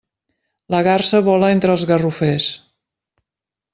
La garsa vola entre els garrofers.